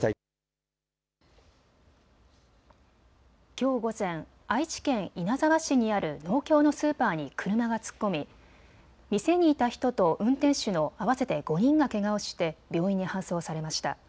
きょう午前、愛知県稲沢市にある農協のスーパーに車が突っ込み店にいた人と運転手の合わせて５人がけがをして病院に搬送されました。